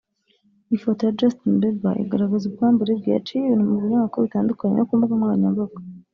Ifoto ya Justin Bieber igaragaza ubwambure bwe yaciye ibintu mu binyamakuru bitandukanye no ku mbuga nkoranyambaga